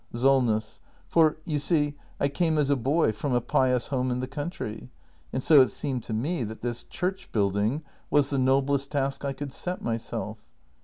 Solness. For, you see, I came as a boy from a pious home in the country; and so it seemed to me that this church building was the noblest task I could set myself.